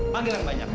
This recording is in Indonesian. panggil yang banyak